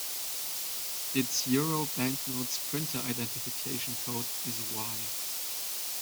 Its Euro banknotes printer identification code is Y.